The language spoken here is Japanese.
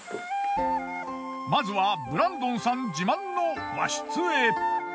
まずはブランドンさん自慢の和室へ。